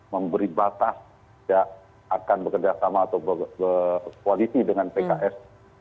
memberi batas ya akan bekerja sama atau berkoalisi dengan pks